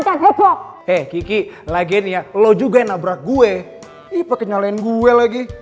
dan heboh eh kiki lagi nih ya lo juga nabrak gue ipe kenyalain gue lagi